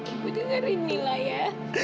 ibu dengerin mila ya